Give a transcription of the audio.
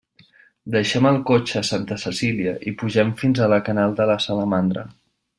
Deixem el cotxe a Santa Cecília i pugem fins a la Canal de la Salamandra.